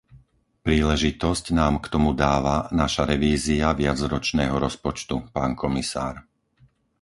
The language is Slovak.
Príležitosť nám k tomu dáva naša revízia viacročného rozpočtu, pán komisár.